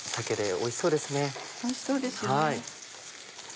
おいしそうですよね。